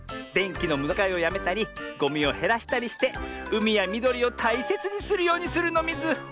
でんきのむだづかいをやめたりゴミをへらしたりしてうみやみどりをたいせつにするようにするのミズ。